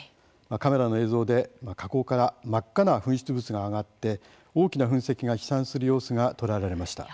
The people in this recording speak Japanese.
カメラの映像で、火口から真っ赤な噴出物が上がって大きな噴石が飛散する様子が捉えられました。